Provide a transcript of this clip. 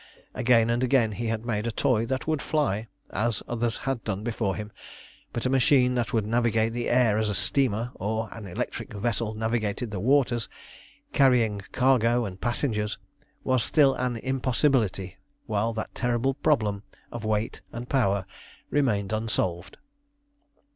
Again and again he had made a toy that would fly, as others had done before him, but a machine that would navigate the air as a steamer or an electric vessel navigated the waters, carrying cargo and passengers, was still an impossibility while that terrible problem of weight and power remained unsolved.